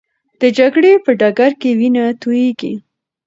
د جګړې په ډګر کې وینه تویېږي.